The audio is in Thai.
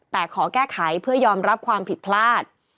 แต่ขอแก้ไขเพื่อยอมรับความผิดพลาด